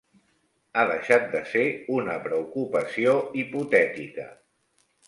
Ha deixat de ser una preocupació hipotètica.